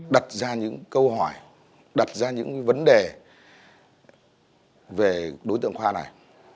đặt ra những câu hỏi đặt ra những vấn đề về đối tượng khoa này